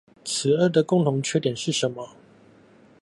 此二的共同缺點是什麼？